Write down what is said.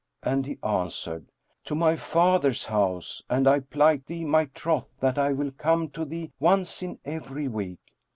and he answered, "To my father's house, and I plight thee my troth that I will come to thee once in every week."